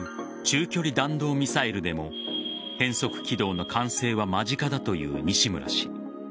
中距離弾道ミサイルでも変則軌道の完成は間近だという西村氏。